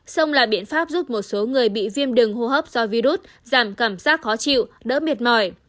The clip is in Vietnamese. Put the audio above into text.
sông là biện pháp giúp một số người bị viêm đường hô hấp do virus giảm cảm giác khó chịu đỡ mệt mỏi